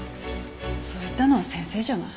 そう言ったのは先生じゃない。